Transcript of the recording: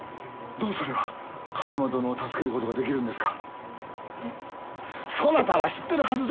どうやれば一馬殿を助けることができるんですか！